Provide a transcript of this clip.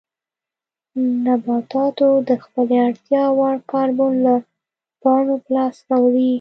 نباتاتو د خپلې اړتیا وړ کاربن له پاڼو په لاس راوړي.